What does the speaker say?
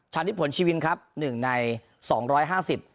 นิดผลชีวิตครับหนึ่งในสองร้อยห้าสิบ